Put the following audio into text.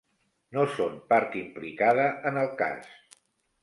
No són part implicada en el cas.